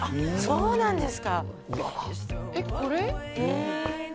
そうなんです